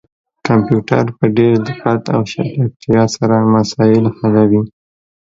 کمپيوټر په ډير دقت او چټکتيا سره مسايل حلوي